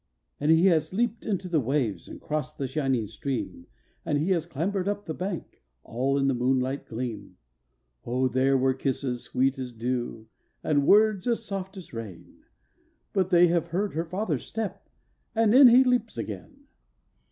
And he has leaped into the waves, and crossed the shining stream, And he has clambered up the bank, all in the moonlight gleam; Oh there were kisses sweet as dew, and words as soft as rain, But they have heard her father's step, and in he leaps again!